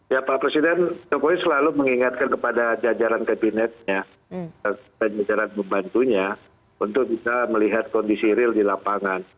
ya pak presiden jokowi selalu mengingatkan kepada jajaran kabinetnya dan jajaran pembantunya untuk bisa melihat kondisi real di lapangan